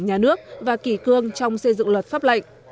nhà nước và kỷ cương trong xây dựng luật pháp lệnh